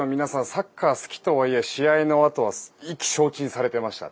サッカー好きとはいえ試合のあとは意気消沈されていました。